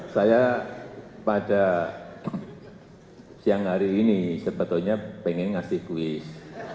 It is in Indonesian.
saya pada siang hari ini sebetulnya pengen ngasih kuis